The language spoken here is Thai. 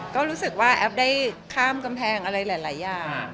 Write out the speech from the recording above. ก็รู้สึกว่าแอฟได้ข้ามกำแพงอะไรหลายอย่าง